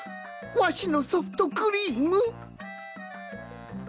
わしのソフトクリーム！